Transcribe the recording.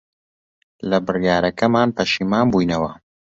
لە بڕیارەکەمان پەشیمان بووینەوە.